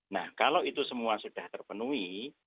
nah kalau itu semua sudah terpenuhi